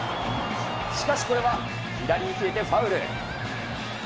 しかしこれは、左に消えてファウル。